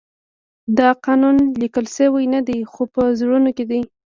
دا قانون لیکل شوی نه دی خو په زړونو کې دی.